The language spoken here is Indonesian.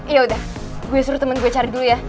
yaudah gue suruh temen gue cari dulu ya